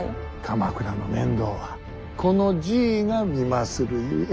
鎌倉の面倒はこのじいが見まするゆえ。